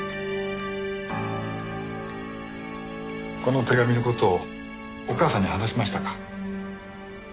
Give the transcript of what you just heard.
この手紙の事をお母さんに話しましたか？